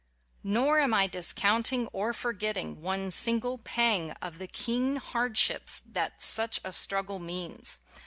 Nor am I discounting or forgetting one single pang of the keen hardships that such a struggle means.